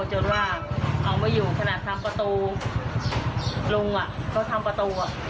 จนว่าเอาไม่อยู่ขนาดทำประตูลุงเขาทำประตู